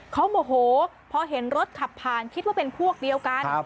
เขาโมโหพอเห็นรถขับผ่านคิดว่าเป็นพวกเดียวกัน